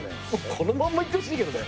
このまんまいってほしいけどね。